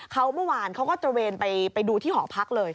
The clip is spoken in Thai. เขาเมื่อวานเขาก็ตระเวนไปดูที่หอพักเลย